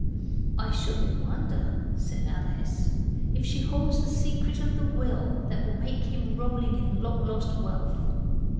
'I shouldn't wonder,' said Alice, 'if she holds the secret of the will that will make him rolling in long lost wealth.